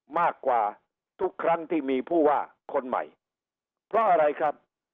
มากกว่าทุกครั้งที่มีผู้ว่าคนใหม่เพราะอะไรครับ